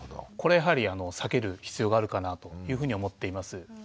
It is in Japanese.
これやはり避ける必要があるかなというふうに思っています。